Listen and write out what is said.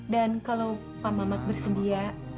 dan kalau pak mamat bersedia